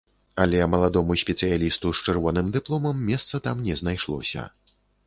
Але маладому спецыялісту з чырвоным дыпломам месца там не знайшлося.